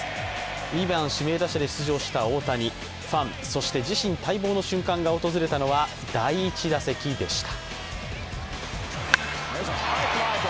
２番指名打者で出場した大谷、ファン、そして自身待望の瞬間が訪れたのは、第１打席でした。